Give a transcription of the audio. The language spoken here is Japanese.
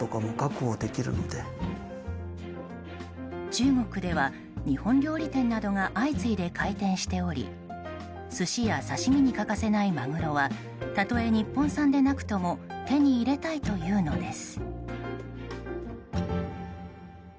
中国では日本料理店などが相次いで開店しており寿司や刺し身に欠かせないマグロはたとえ日本産でなくとも手に入れたいというのです。